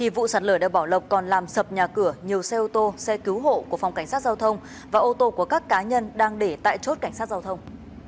vụ sạt lở đeo bảo lộc còn làm sập nhà cửa nhiều xe ô tô xe cứu hộ của phòng cảnh sát giao thông và ô tô của các cá nhân đang để tại chốt cảnh sát giao thông